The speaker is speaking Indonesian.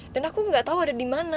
dan aku gak tau ada di mana